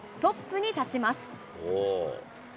トップに立ちます。